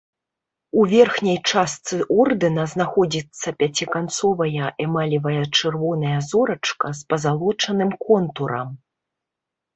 У верхняй частцы ордэна знаходзіцца пяціканцовая эмалевая чырвоная зорачка з пазалочаным контурам.